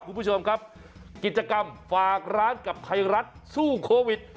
คุณผู้ชมครับกิจกรรมฝากร้านกับไทยรัฐสู้โควิด